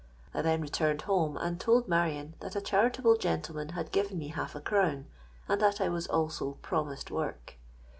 I then returned home, and told Marion that a charitable gentleman had given me half a crown, and that I was also promised work.